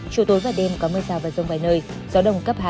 trưa tối vài đêm có mưa rào và rông vài nơi gió đông cấp hai ba